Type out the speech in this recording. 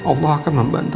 allah akan membantu